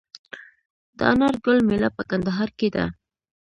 د انار ګل میله په کندهار کې ده.